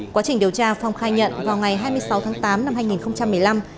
quá trình điều tra phong khai nhận vào ngày hai mươi sáu tháng tám năm hai nghìn một mươi năm